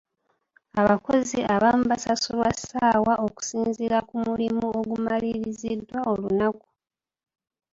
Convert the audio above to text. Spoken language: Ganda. Abakozi abamu basasulwa ssaawa okusinziira ku mulimu ogumaliriziddwa olunaku.